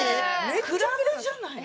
クラブじゃないの？